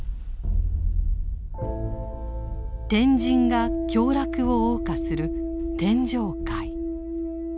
天人が享楽をおう歌する天上界。